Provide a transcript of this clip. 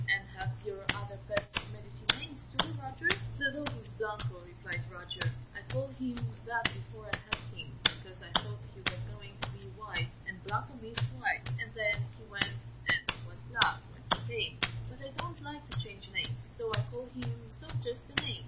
And have your other pets, medicine names, too, Roger?" "The dog is Blanco," replied Roger. "I called him that before I had him, because I thought he was going to be white, and Blanco means white. And then he went and was black when he came, but I don't like to change names, so I called him so just the same.